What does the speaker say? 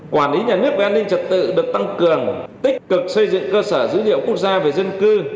quản lý nhà nước về an ninh trật tự được tăng cường tích cực xây dựng cơ sở dữ liệu quốc gia về dân cư